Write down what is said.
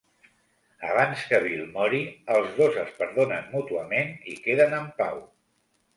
Abans que Bill mori, els dos es perdonen mútuament i queden en pau.